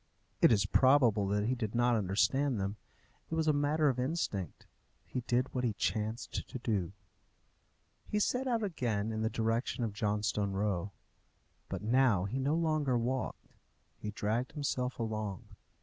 It is probable that he did not understand them. It was a matter of instinct. He did what he chanced to do. He set out again in the direction of Johnstone Row. But now he no longer walked; he dragged himself along.